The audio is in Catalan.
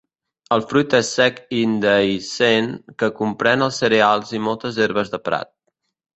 El fruit és sec i indehiscent, que comprèn els cereals i moltes herbes de prat.